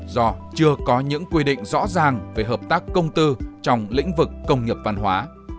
do chưa có những quy định rõ ràng về hợp tác công tư trong lĩnh vực công nghiệp văn hóa